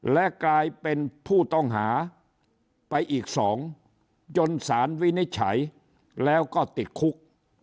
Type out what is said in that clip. และกลายเป็นผู้ต้องหาไปอีก๒จนสารวินิจฉัยแล้วก็ติดคุก